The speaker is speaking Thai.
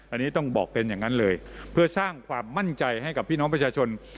อันนี้ต้องบอกเป็นอย่างนั้นเลยเพื่อสร้างความมั่นใจให้กับพี่น้องประชาชน